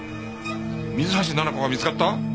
水橋奈々子が見つかった？